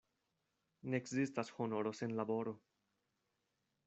Ne ekzistas honoro sen laboro.